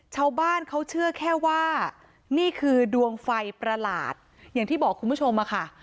ชาวบ้านเขาเชื่อแค่ว่านี่คือดวงไฟประหลาดอย่างที่บอกคุณผู้ชมอะค่ะ